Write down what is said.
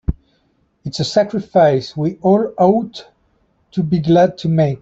It's a sacrifice we all ought to be glad to make.